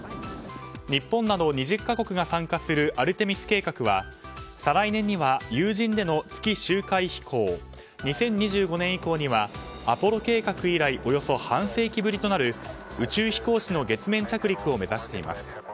日本など２０か国が参加するアルテミス計画は再来年には有人での月周回飛行２０２５年以降にはアポロ計画以来およそ半世紀ぶりとなる宇宙飛行士の月面着陸を目指しています。